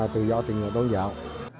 tự do tình người tôn giáo